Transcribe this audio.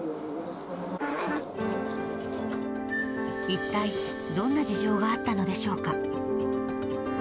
一体、どんな事情があったのでしょうか。